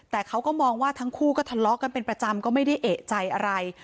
แต่เขาก็มองว่าทั้งคู่ก็ทะเลาะกันเป็นประจำก็ไม่ได้เอกใจอะไร